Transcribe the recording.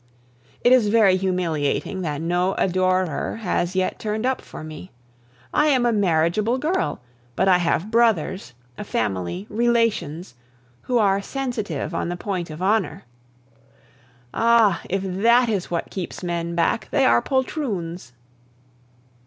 It is very humiliating that no adorer has yet turned up for me. I am a marriageable girl, but I have brothers, a family, relations, who are sensitive on the point of honor. Ah! if that is what keeps men back, they are poltroons.